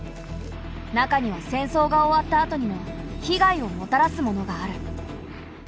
中には戦争が終わったあとにも被害をもたらすものがある。